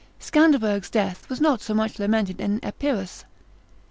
Scanderbeg's death was not so much lamented in Epirus.